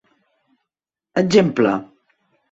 Exemple: